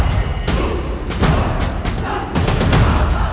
kamu tidak terima